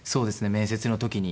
面接の時に。